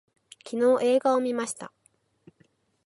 昨日映画を見ました